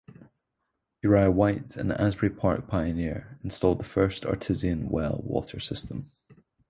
Uriah White, an Asbury Park pioneer, installed the first artesian well water system.